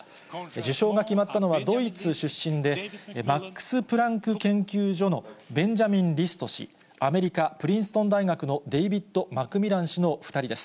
受賞が決まったのは、ドイツ出身でマックスプランク研究所のベンジャミン・リスト氏、アメリカ・プリンストン大学のデービット・マックミラン氏の２人です。